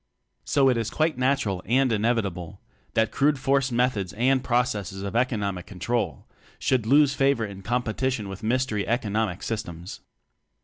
So i. is quite natural and inevitable that crude force methods and pro cesses of economic control should lose favor in competition with mystery economic systems.